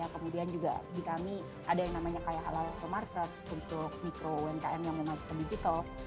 kemudian juga di kami ada yang namanya kaya halal to market untuk mikro umkm yang mau masuk ke digital